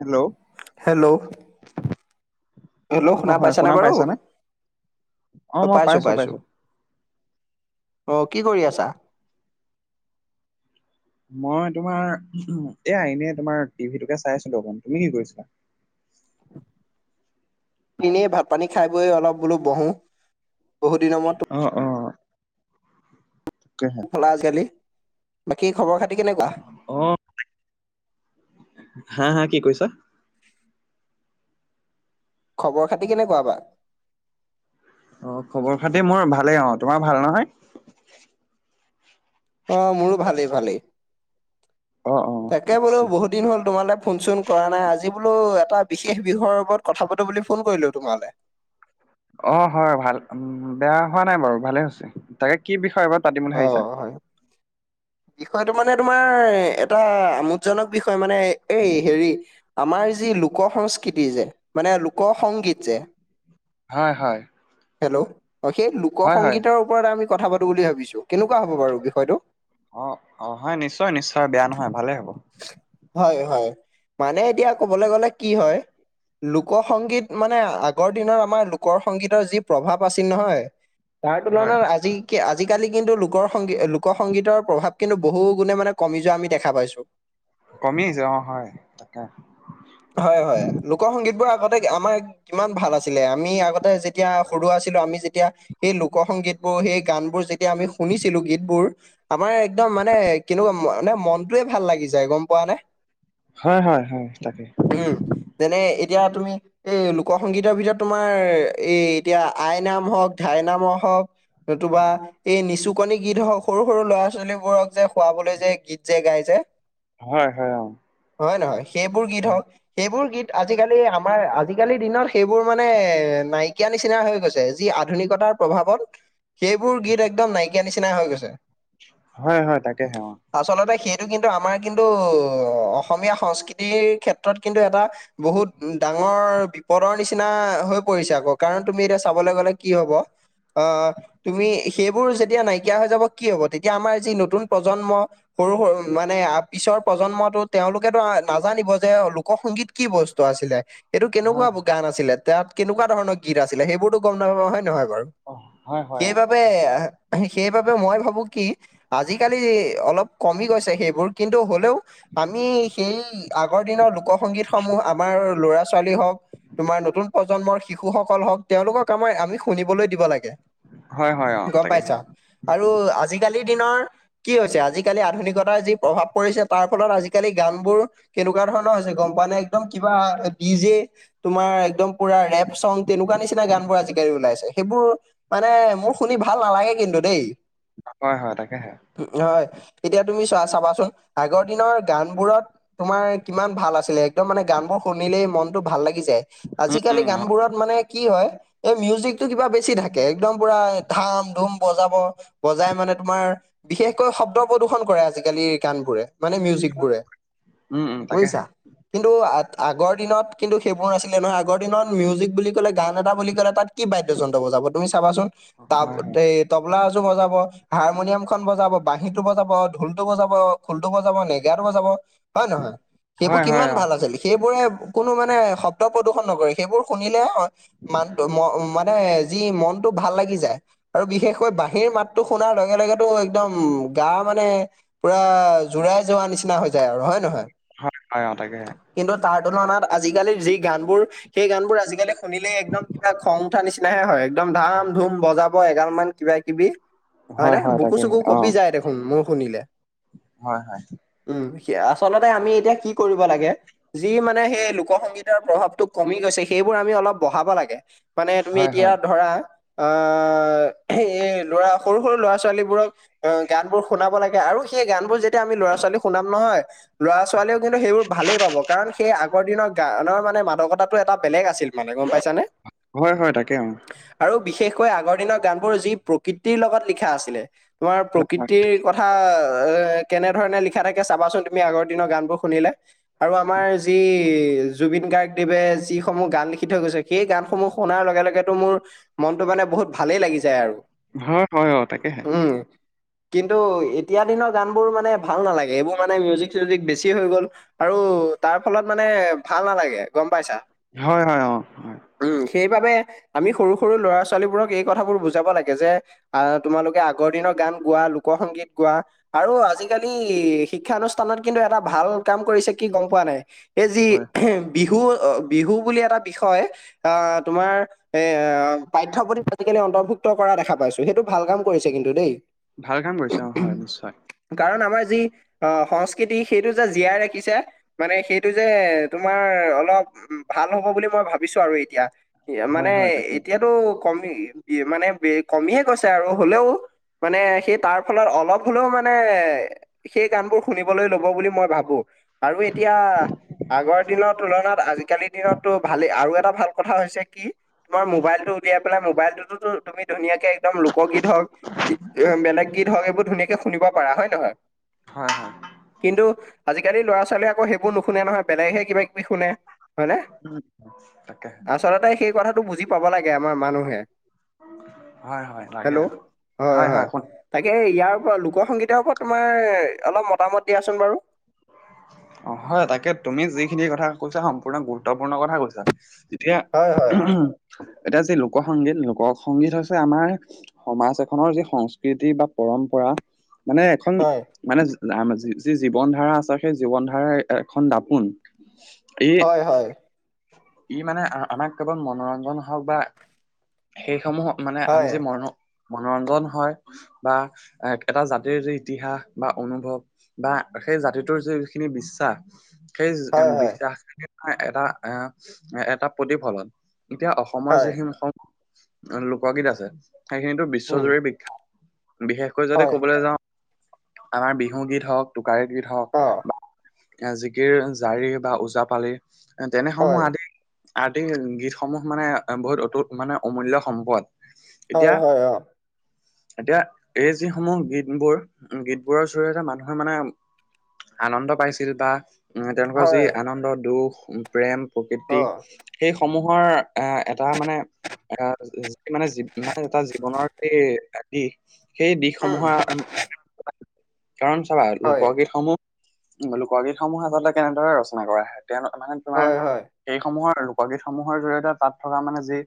Hello hello hello অ শুনা হয় পাইছ নে বাৰু পাইছানে? অ পাইছো পাইছো অ কি কৰি আছা? মই তোমাৰ এয়া এনেই তোমাৰ টিভিটোকে চাই আছিলো অকণ তুমি কি কৰিছা? এনেই ভাত পানী খাই বৈ অলপ বোলো বহো বহুত দিনৰ মূৰত তো অ অ তাকে হে হলা আজি কালি বাকী খবৰ খাতি কেনেকোৱা অ হা হা কি কৈছা খবৰ খাতি কেনেকোৱা বা অ খবৰ খাতি মোৰ ভালেই অ তোমাৰ ভাল নহয় অ মোৰো ভালেই ভালেই অ অ তাকে বোলো আচ্ছা। বহুত দিন হ'ল তোমালে ফোন চোন কৰা নাই আজি বোলো এটা বিশেষ বিষয়ৰ ওপৰত কথা পাতো বুলি ফোন কৰিলো তোমালে অ হয় ভাল উ বেয়া হোৱা নাই বাৰু ভালে হৈছে তাকে কি বিষয় ওপৰত অ হয় বিষয়টো মানে তোমাৰ এটা আমোদজনক বিষয় মানে এই হেৰি আমাৰ যি লোক সংস্কৃতি যে মানে লোক সংগীত যে হয়, হয়। হেল্ল' অ সেই লোক হয় হয় সংগীতৰ ওপৰত আমি কথা পাতোঁ বুলি ভাবিছোঁ কেনেকুৱা হ'ব বাৰু বিষয়টো। অ, অ হয়, নিশ্চয় নিশ্চয় বেয়া নহয়, ভালেই হ'ব। হয়, হয় মানে এতিয়া কবলৈ গ'লে কি হয়। লোক সংগীত মানে আগৰ দিনৰ আমাৰ লোক সংগীতৰ যি প্ৰভাৱ আছিল নহয় তাৰ হয় তুলনাত আজি কি আজিকালি কিন্তু লোকৰ সংগী লোকৰ সংগীতৰ প্ৰভাৱ কিন্তু বহু গুণে মানে কমি যোৱা আমি দেখা পাইছো কমি আহিছে অ হয় তাকে। হয় হয় লোক সংগীত বোৰ আগতে আমাৰ। কিমান ভাল আছিলে আমি আগতে যেতিয়া সৰু আছিলো আমি তেতিয়া। সেই লোক সংগীতবোৰ সেই গান বোৰ যেতিয়া আমি শুনিছিলো গীতবোৰ। আমাৰ একদম মানে কেনেকুৱা মানে মনটোৱে ভাল লাগি যায় গম পোৱা নে। হয় হয় হয় তাকে। উম যেনে এতিয়া তুমি। এ লোক সংগীতৰ ভিতৰত তোমাৰ এই এতিয়া আই নাম হওক ধাই নামৰ হওক। নতুবা। এই নিচুকনি গীত হওক সৰু সৰু ল'ৰা ছোৱালীবোৰক যে শুৱাবলৈ যে গীত যে গাই যে। হয়, হয় অ। হয়ে, নহয় সেইবোৰ গীত হয় সওক। সেইবোৰ গীত আজিকালি আমাৰ আজিকালিৰ দিনত সেইবোৰ মানে নাইকিয় নিচিনা হৈ গৈছে। যি আধুনিকতাৰ প্ৰভাৱত সেইবোৰ গীত একদম নাইকিয়ীয়া নিচিনা হৈ গৈছে। হয়, হয়, তাকে সেৱা। আচলতে সেইটো কিন্তু আমাৰ কিন্তু অসমীয়া সংস্কৃতিৰ ক্ষেত্ৰত কিন্তু এটা। বহুত ডাঙৰ বিপদৰ নিচিনা হৈ পৰিছে আকৌ কাৰণ তুমি এতিয়া চাবলৈ গলে কি হব। আহ তুমি সেইবোৰ যেতিয়া নাইকিয়া হৈ যাব। কি হব, তেতিয়া আমাৰ যি নতুন প্ৰজন্ম। সৰু সৰু মানে আ। পিছৰ প্ৰজন্মতো তেওঁলোকেতো নাজানিব যে লোকসংগীত কি বস্তু আছিলে। এইেইটো হয় কেনেকুৱা গান আছিলে তাত কেনেকুৱা ধৰণৰ গীত আছিলে সেইবোৰতো গম নাপাওঁ হয় নহয় বাৰু অ হয় হয় অ সেইবাবে, তাকে সেইবাবে মই ভাবো কি আজিকালি অলপ কমি গৈছে সেইবোৰ। কিন্তু হ'লেও আমি সেই আগৰ দিনৰ লোক সংগীতসমূহ আমাৰ ল'ৰা ছোৱালী হওক, তোমাৰ নতুন প্ৰজন্মৰ শিশুসকল হওক তেওঁলোকক আমাৰ আমি শুনিবলৈ দিব লাগে। হয় হয় অ গম তাকেহে পাইছা। আৰু উম, আজিকালিৰ দিনৰ কি হৈছে। আজিকালি আধুনিকতাৰ যি প্ৰভাৱ, কৰিছে তাৰ ফলত আজিকালি গান বোৰ কেনেকুৱা ধৰণৰ হৈছে গম পানে একদম কিবা ডিজে। তোমাৰ একদম পুৰা ৰেপ চং তেনেকুৱা নিচিনা গান বোৰ আজিকালি ওলাইছে সেইবোৰ। মানে মোৰ শুনি ভাল নালাগে কিন্তু দেই। হয়, হয় তাকেহে। হয়, এতিয়া তুমি চোৱা চাবাচোন। আগৰ দিনৰ গান বোৰত তোমাৰ কিমান ভাল আছিলে। একদম মানে গান বোৰ শুনিলেই মনতটো ভাল লাগে। যায় উম আজিকালি উম অ গানবোৰত মানে। কি হয়, এই মিউজিকতটো কিবা বেছি থাকে একদম পুৰা ধাম ধুম বজাব। বজাই মানে তোমাৰ বিশেষকৈ শব্দ প্ৰদূষন কৰে আজিকালিৰ গানবোৰে। মানে মিউজিক বোৰে উম উম তাকেহে বুজিছা। কিন্তু আগৰ দিনত কিন্তু সেইবোৰ নাছিলে নহয় আগৰ দিনত মিউজিক বুলি ক'লে গান এটা বুলি ক'লে তাত। কি বাদ্যযন্ত্ৰ বজাব তুমি চাবাচোন তাৰ হয় হয় এই, তবলা এযোৰ বজাব হাৰমনিয়াম খন বজাব বাঁহীটো বজাব ঢোলটো বজাব। ঢোলটো বজাব নেগেৰাটো বজাব হয় নহয় সেইবোৰ হয় হয় কিমান অ ভাল আছিল সেইবোৰে। কোনো মানে শব্দ প্ৰদূষন নকৰে সেইবোৰ শুনিলে হয়। মানটো ম মানে যি মনটো ভাল লাগি যায়। আৰু বিশেষকৈ বাঁহীৰ মাতটো শুনাৰ লগে লগেতো একদম গা মানে পুৰা এই যোৱা নিচিনা হৈ যায় আৰু হয় নহয় হয় হয় অ তাকেহে কিন্তু তাৰ তুলনাত আজিকালি যি গানবোৰ সেই গান বোৰ আজিকালি শুনিলেই একদম কিবা খং উঠা নিচিনাহে হয়, একদম ধাম ধুম বজাব এগাল মান। কিবা কিবি হয় নে বুকু চুকু কপি যায় দেখোন মোৰ শুনিলে। হয়, হয়। উম আচলতে আমি এতিয়া কি কৰিব লাগে। যি মানে সেই লোকসংগীতৰ প্ৰভাৱটো কমি গৈছে সেইবোৰ আমি অলপ বঢ়াব লাগে। মানে তুমি হয় এতিয়া হয় ধৰা আহ এই ল'ৰা সৰু সৰু ল'ৰা ছোৱালীবোৰক। অ গান বোৰ শুনাব লাগে আৰু সেই গান বোৰ যেতিয়া আমি ল'ৰা ছোৱালী শুনাম নহয়। ল'ৰা ছোৱালীয়েও কিন্তু সেইবোৰ ভালেই পাব কাৰণ সেই আগৰ দিনৰ গানৰ মানে মাদকতাটো এটা বেলেগ আছিল। মানে গম পাইছানে? হয় হয় তাকে আৰু বিশেষকৈ আগৰ দিনৰ গান বোৰ যি প্ৰকৃতিৰ লগত লিখা আছিলে তোমাৰ অ প্ৰকৃতিৰ। কথা কেনেধৰণে লিখা থাকে চাবাচোন তুমি আগৰ দিনৰ গান বোৰ শুনিলে আৰু আমাৰ যি জুবিন গাৰ্গদেৱে যিসমূহ গান লিখি থৈ গৈছে সেই গানসমূহ শুনাৰ লগে লগেতো মোৰ মনটো মানে বহুত ভালেই লাগি যায় আৰু হয় হয় হয়, অ তাকেহে উম কিন্তু এতিয়া দিনৰ গান বোৰ মানে ভাল নালাগে এইবোৰ মানে মিউজিক চিউজিক বেছি হৈ গ'ল। আৰু তাৰ ফলত মানে ভাল নালাগে গম পাইছা। হয় হয় অ হয় উম সেইবাবে আমি সৰু সৰু ল'ৰা ছোৱালীবোৰক এই কথাবোৰ বুজাব লাগে যে আ তোমালোকে আগৰ দিনৰ গান গোৱা লোক সংগীত গোৱা আৰু আজিকালি শিক্ষানুষ্ঠানত কিন্তু এটা ভাল কাম কৰিছে কি গম পোৱা নাই? এই যি হয় বিহু বিহু বুলি এটা বিষয় আ তোমাৰ এ পাঠ্যপুথিত আজিকালি অন্তৰ্ভুক্ত কৰা দেখা পাইছো সেইটো ভাল কাম কৰিছে কিন্তু দেই। ভাল কাম কৰিছে অ হয় নিশ্চয়। কাৰণ আমাৰ যি আ সংস্কৃতি সেইটো যে জীয়াই ৰাখিছে। মানে সেইটো যে তোমাৰ অলপ ভাল হ'ব বুলি মই ভাবিছো আৰু এতিয়া হয় মানে হয় তাকে এতিয়াতো কমি মানে বে কমিহে গৈছে আৰু হলেও মানে সেই তাৰ ফলত অলপ হ'লেও মানে সেই গান বোৰ শুনিবলৈ লব বুলি মই ভাবো আৰু এতিয়া আগৰ দিনৰ তুলনাত আজিকালিৰ দিনতটো ভালেই আৰু এটা ভাল কথা হৈছে কি তোমাৰ মবাইলটো উলাই পেলাই মোবাইলটোতো তুমি ধুনীয়া কে একদম লোকগীত হওক বেলেগ গীত হওক এইবোৰ ধুনীয়াকে শুনিব পাৰা হয় নহয়। হয় হয় কিন্তু আজিকালি ল'ৰা ছোৱালীয়ে আকৌ সেইবোৰ নুশুনে নহয় বেলেগহে কিবা কিবি শুনে হয়নে, উম তাকেহে আচলতে সেই কথাটো বুজি পাব লাগে আমাৰ মানুহে হয় হয় লাগে, হেল্ল' হয় হয় তাকে ইয়াৰ ওপৰত লোকসংগীতৰ ওপৰত তোমাৰ অলপ মতামত দিয়াচোন বাৰু অ হয় তাকে তুমি যিখিনি কথা কৈছা সম্পূৰ্ণ গুৰুত্বপূৰ্ণ কথা কৈছা এতিয়া, হয় হয় এতিয়া যি লোক সংগীত লোক সংগীত হৈছে আমাৰ সমাজ এখনৰ যি সংস্কৃতি বা পৰম্পৰা মানে এখন হয় মানে যি জীৱন ধাৰা আছে সেই জীৱন ধাৰা এখন দাপোন ই হয় হয় ই মানে আমাক কেৱল মনোৰঞ্জন হওক বা সেইসমূহ মানে আমি হয় যে মনো মনোৰঞ্জন হয় বা এ এটা জাতিৰ যি ইতিহাস বা অনুভৱ বা সেই জাতিটোৰ যিখিনি বিশ্বাস সেই হয় হয় বিশ্বাস এটা এটা প্ৰতিফলন এতিয়া অসমৰ হয় যিখিনি অসম লোকগীত আছে সেইখিনিতো উম বিশ্বজুৰি বিখ্যাত৷ বিশেষকৈ যদি হয় ক'বলৈ যাওঁ আমাৰ বিহু গীত হওক টোকাৰি গীত হওক অ বা জিকিৰ জাৰি বা ওজা পালি তেনে সমূহ হয় আদি-আদি গীতসমূহ মানে বহুত অতু মানে অমূল্য সম্পদ৷ এতিয়া হয় হয় অ এতিয়া এই যিসমূহ গীতবোৰ গীতবোৰৰ জৰিয়তে মানুহে মানে আনন্দ পাইছিল বা তেওঁলোকৰ যি হয় আনন্দ দুখ, প্ৰেম, প্ৰকৃতি অ সেই সমূহৰ এ এটা মানে এয়া মানে মানে এটা জীৱনৰ সেই দিশ সেই উম দিশসমূহৰ [unintelligible] কাৰণ চাবা হয় লোকগীতসমূহ লোকগীতসমূহ আচলতে কেনেদৰে ৰচনা কৰা হয় তেওঁ মানে তোমাৰ হয় হয় সেই সমূহৰ লোকগীতসমূহৰ জৰিয়তে তাত থকা মানে যি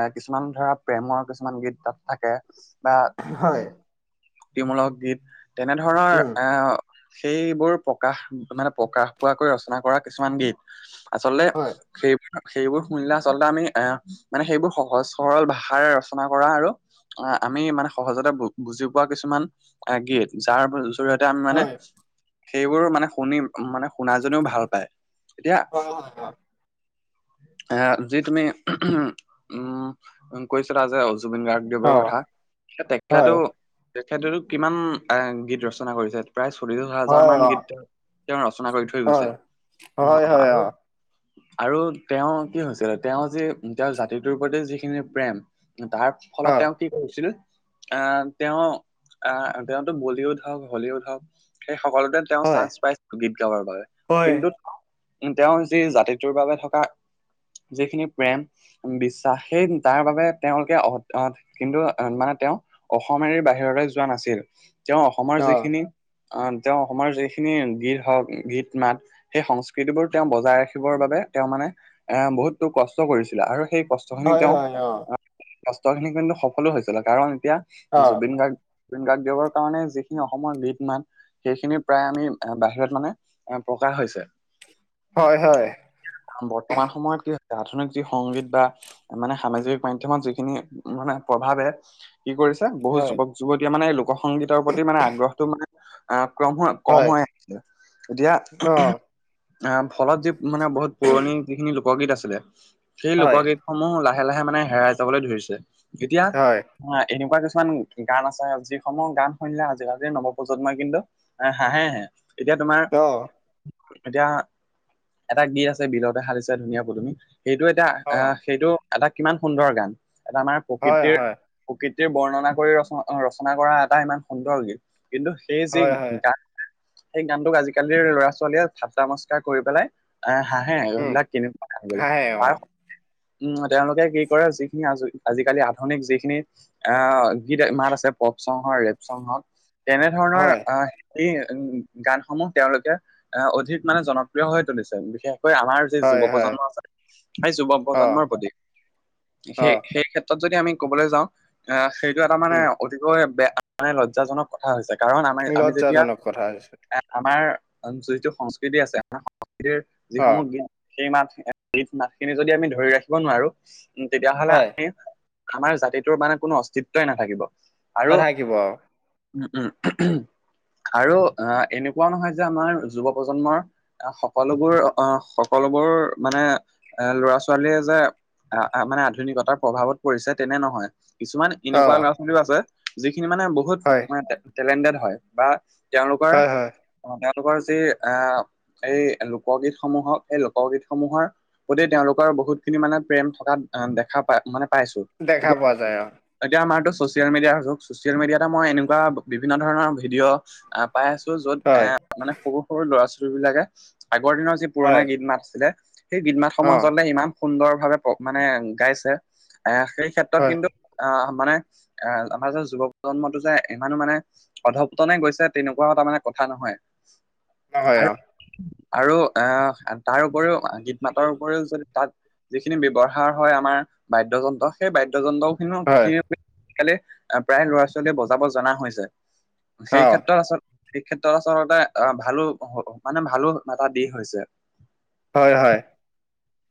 এ কিছুমান ধৰা প্ৰেমৰ কিছুমান গীত তাত থাকে বা হয় মূলক গীত তেনেধৰণৰ উম এ সেইবোৰ প্ৰকাশ মানে প্ৰকাশ পোৱাকৈ ৰচনা কৰা কিছুমান গীত৷ আচলতে হয় সেইবোৰ-সেইবোৰ শুনিলে আচলতে আমি এ মানে সেইবোৰ সহজ সৰল ভাষাৰে ৰচনা কৰা আৰু অ আমি মানে সহজতে বুজি পোৱা কিছুমান গীত যাৰ জৰিয়তে আমি মানে হয় সেইবোৰ মানে শুনিম মানে শুনাজনীও ভাল পায় এতিয়া হয় হয় এ যি তুমি উম কৈছিলা যে জুবিন গাৰ্গ দেৱৰ অ অ কথা হয়, তেখেতেও তেখেতেটো কিমান এ গীত ৰচনা কৰিছে৷ প্ৰায় চল্লিশ হাজাৰ হয়, মান অ, গীত তেওঁ-তেওঁ ৰচনা কৰি থৈ গৈছে হয়, ন হয়, হয়, অ, আৰু আৰু তেওঁ কি হৈছিল তেওঁ যি তেওঁৰ জাতিটোৰ প্ৰতি যিখিনি প্ৰেম তাৰ ফলত তেওঁ কি কৰিছিল আহ তেওঁ আহ তেওঁতো বলিউড হওক হলিউড হওক সেই সকলোতে তেওঁ হয়, চান্স পাইছিল গীত গাবৰ বাবে হয়, কিন্তু উ তেওঁ জাতিটোৰ বাবে থকা যিখিনি প্ৰেম বিশ্বাস সেই তাৰ বাবে তেওঁলোকে আহ [unintelligible] কিন্তু মানে তেওঁ অসম এৰি বাহিৰলৈ যোৱা নাছিল তেওঁ অসমৰ হয়, অ, যিখিনি আহ তেওঁ অসমৰ যিখিনি গীত হওক গীত মাত সেই সংস্কৃতি বোৰ তেওঁ বজাই ৰাখি ৰাখিবৰ বাবে তেওঁ মানে এ বহুতো কষ্ট কৰিছিলে আৰু সেই কষ্ট খিনি হয়, তেওঁ হয়, অ, আহ কষ্ট খিনি কিন্তু সফলো হৈছিলে কাৰণ অ, এতিয়া জুবিন গাৰ্গ জুবিন গাৰ্গ দেৱৰ কাৰণে যিখিনি অসমৰ গীত মাত সেইখিনি প্ৰায় আমি বাহিৰত মানে এ প্ৰকাশ হৈছে৷ হয়-হয় বৰ্তমান সময়ত কি আধুনিক যি সংগীত বা মানে সামাজিক মাধ্যমত যিখিনি মানে প্ৰভাৱে কি কৰিছে বহুত হয়, যুৱক যুৱতীয়ে মানে এই লোকসংগীতৰ প্ৰতি মানে আগ্ৰহটো মানে আহ ক্ৰম হৈ কম হয়, হৈ আছে এতিয়া অ, আহ ফলত যি মানে বহুত পুৰণি যিখিনি লোকগীত আছিলে সেই হয়, লোকগীত সমূহ লাহে-লাহে মানে হেৰাই যাবলৈ ধৰিছে এতিয়া হয়, হা এনেকুৱা কিছুমান গান আছে যিসমূহ গান শুনিলে আজিকালি নৱপ্ৰজন্মই কিন্তু হাঁহেহে এতিয়া তোমাৰ অ, এতিয়া এটা গীত আছে বিলতে সালিছে ধুনীয়া পুদুমি সেইটো এতিয়া অ, আহ সেইটো এটা কিমান সুন্দৰ গান এটা মানে হয়, প্ৰকৃতিৰ হয়, প্ৰকৃতিৰ বৰ্ণনা কৰি ৰচনা-ৰচনা কৰা এটা ইমান সুন্দৰ গীত কিন্তু সেই যি হয়, হয়, গান সেই গানটোক আজিকালিৰ ল'ৰা ছোৱালীয়ে ঠাট্টা মষ্কৰা কৰি পেলাই আহ হাঁহে উম, সেইবিলাক কেনেকুৱা কথা বুলি৷ হাঁহে অ, উম তেওঁলোকে কি কৰে, যিখিনি আজি আজি-কালি আধুনিক যিখিনি অ গীত মাত আছে পপচং হক, ৰেপচং হক তেনেধৰণৰ হয়, আ এই উন গানসমূহ তেওঁলোকে এ অধিক মানে জনপ্ৰিয় হৈ তুলিছে। বিশেষকৈ আমাৰ যুৱ হয়, হয়, প্ৰজন্ম আছে, সেই যুৱ অ, প্ৰজন্মৰ প্ৰতি অ, সেই সেই ক্ষে যদি আমি কবলৈ যাওঁ এ সেইটো এটা মানে উম, অতিকৈ বেয়া মানে লজ্জাজনক কথা হৈছে কাৰণ আমাৰ আমি যেতিয়া লজ্জাজনক কথা হৈছে, আমাৰ যিটো সংস্কৃতি আছে আমাৰ সংস্কৃতিৰ অ, যিসমূহ গীত সেই মাত গীত মাতখিনি যদি আমি ধৰি ৰাখিব নোৱাৰো তেতিয়াাহ'লে হয়, আমি আমাৰ জাতিটোৰ মানে কোনো অস্তিত্বই নাথাকিব। আৰু নাথাকিব। উম, উম। [unintelligible] আৰু আ এনেকুৱাও নহয় যে আমাৰ যুৱ প্ৰজন্মৰ সক সকলোবোৰ অ সকলোবোৰ মানে এ ল'ৰা-ছোৱালীয়ে যে আ আ মানে আধুনিকতাৰ প্ৰভাৱত পৰিছে তেনে নহয়, কিছুমান অ, এনেকুৱা ল'ৰা- ছোৱালীও আছে, যিখিনি মানে বহুত হয়, তোমাৰ টে টেলেণ্টেড হয় বা তেওঁলোকৰ, হয়, হয়, অ তেওঁলোকৰ যি আ এই লোকগীতসমূহক এই লোকগীতসমূহৰ প্ৰতি তেওঁলোকৰ বহুতখিনি মানে প্ৰেম থকা আ দেখা পাই মানে পাইছো। দেখা পোৱা যায় অ। এতিয়া আমাৰতো চচিয়েল মিডিয়াৰ যুগ, চচিয়েল মিডিয়াতে মই এনেকুৱা বিভিন্ন ধৰণৰ ভিডিঅ' আ পাই আছো য'ত হয়, এ মানে সৰু সৰু ল'ৰা- ছোৱালীবিলাকে আগৰ দিনৰ যি পুৰণা হয়, গীত-মাত আছিলে, সেই অ, গীত-মাতসমূহ আচলতে ইমান সুন্দৰভাৱে প্ৰ মানে গাইছে, এ সেই ক্ষেত্ৰত হয়, কিন্তু অ মানে এ আমাৰ যে যুৱ প্ৰজন্মটো যে ইমানো মানে অধপতনে গৈছে তেনেকুৱাও তাৰমানে কথা নহয়। নহয় আৰু অ, আৰু আ তাৰ উপৰিও গীত-মাতৰ উপৰিও যদি তাত যিখিনি ব্যৱহাৰ হয় আমাৰ বাদ্যযন্ত্ৰ, সেই বাদ্যযন্ত্ৰ খিনিও হয়, খিনি আজি-কালি প্ৰায় ল'ৰা-ছোৱালীয়ে বজাব জনা হৈছে। অ, সেই ক্ষেত্ৰত আচল এই ক্ষেত্ৰত আচলতে অ ভালো মানে ভালো এটা দিশ হৈছে। হয়, হয়।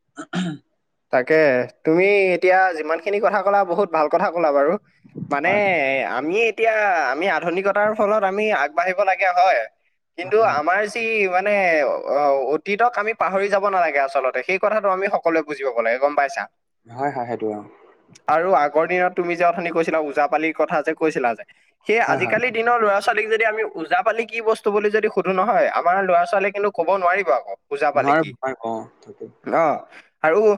[unintelligible] তাকে, তুমি এতিয়া যিমানখিনি কথা ক'লা বহুত ভাল কথা ক'লা বাৰু। মানে হয় আমি এতিয়া আমি আধুনিকতাৰ ফলত আমি আগবাঢ়িব লাগে হয়। কিন্তু হয় আমাৰ টি মানে অ অতীতক আমি পাহৰি যাব নালাগে আচলতে। সেই কথাটো আমি সকলোৱে বুজি পাব লাগে, গম পাইছা? হয় হয় সেইটো অ। আৰু আগৰ দিনত তুমি যে অথনি কৈছিলা ওজাপালিৰ কথা যে কৈছিলা যে। সেই হয় হয় আজি-কালি দিনৰ ল'ৰা-ছোৱালীক যদি আমি ওজাপালি কি বস্তু বুলি যদি সুধো নহয় আমাৰ ল'ৰা-ছোৱালীক কিন্তু ক'ব নোৱাৰিব আকৌ ওজা পালি নোৱাৰো কি, নোৱাৰো অ আৰু